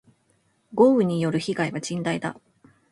豪雨による被害は甚大だ。